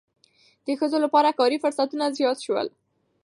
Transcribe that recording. د ښځو لپاره کاري فرصتونه زیات شول.